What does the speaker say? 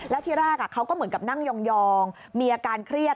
แล้วที่แรกเขาก็เหมือนกับนั่งยองมีอาการเครียด